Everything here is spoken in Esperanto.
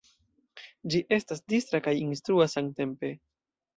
Ĝi estas distra kaj instrua samtempe.